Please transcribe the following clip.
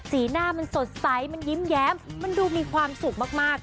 สีหน้ามันสดใสมันยิ้มแย้มมันดูมีความสุขมาก